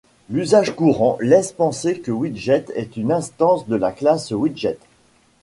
L'usage courant, laisse penser que widget est une instance de la classe Widget.